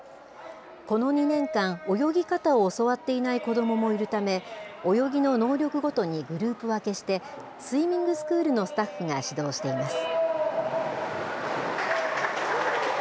この２年間、泳ぎ方を教わっていない子どももいるため、泳ぎの能力ごとにグループ分けして、スイミングスクールのスタッフが指導しています。